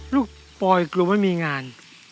ปอยกลัวไม่มีงาน